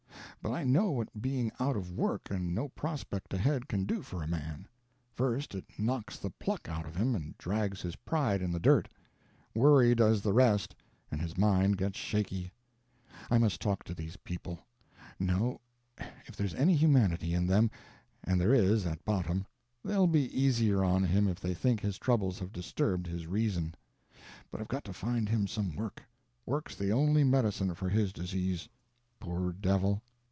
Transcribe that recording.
But I know what being out of work and no prospect ahead can do for a man. First it knocks the pluck out of him and drags his pride in the dirt; worry does the rest, and his mind gets shaky. I must talk to these people. No—if there's any humanity in them—and there is, at bottom—they'll be easier on him if they think his troubles have disturbed his reason. But I've got to find him some work; work's the only medicine for his disease. Poor devil!